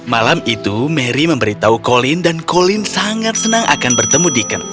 malam itu mary memberitahu colin dan colin sangat senang akan bertemu deacon